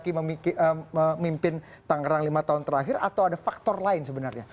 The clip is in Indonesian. karena memimpin tanggerang lima tahun terakhir atau ada faktor lain sebenarnya